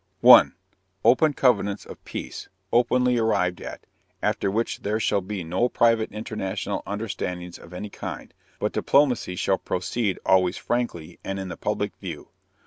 1. _Open covenants of peace, openly arrived at, after which there shall be no private international understandings of any kind, but diplomacy shall proceed always frankly and in the public view.